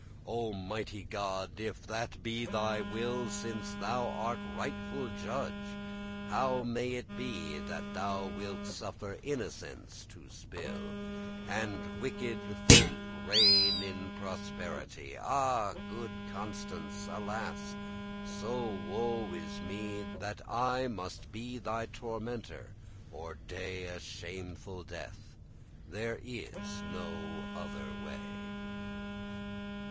"O mighty God, if that it be thy will, Since thou art rightful judge, how may it be That thou wilt suffer innocence to spill,* *be destroyed And wicked folk reign in prosperity? Ah! good Constance, alas! so woe is me, That I must be thy tormentor, or dey* *die A shameful death, there is no other way.